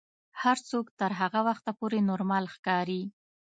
هر څوک تر هغه وخته پورې نورمال ښکاري.